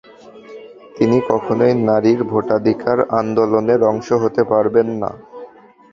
তিনি কখনোই নারীর ভোটাধিকার আন্দোলনের অংশ হতে পারবেন না।